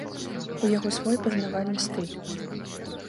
У яго свой пазнавальны стыль.